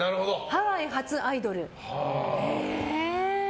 ハワイ発アイドル。